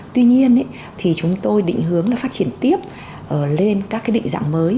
tuy nhiên thì chúng tôi định hướng là phát triển tiếp lên các cái định dạng mới